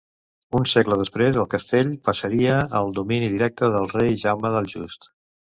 Un segle després el castell passaria al domini directe del rei Jaume el Just.